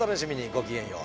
ごきげんよう。